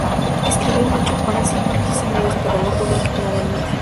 Escribió mucho para sí y para sus amigos, pero no publicó nada en vida.